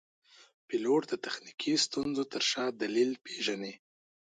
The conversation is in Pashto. پیلوټ د تخنیکي ستونزو تر شا دلیل پېژني.